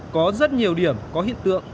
có rất nhiều điểm có hiện tượng